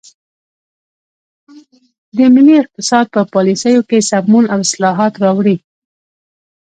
د ملي اقتصاد په پالیسیو کې سمون او اصلاحات راوړي.